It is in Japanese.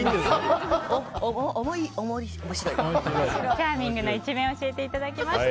チャーミングな一面を教えていただきました。